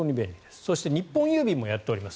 そして日本郵便もやっております。